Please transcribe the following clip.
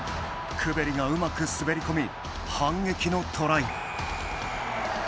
クベリがうまく潜り込み反撃のトライ。